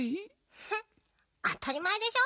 フンあたりまえでしょ。